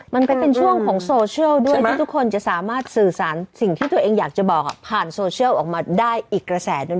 มันก็เป็นช่วงของโซเชียลด้วยที่ทุกคนจะสามารถสื่อสารสิ่งที่ตัวเองอยากจะบอกผ่านโซเชียลออกมาได้อีกกระแสหนึ่ง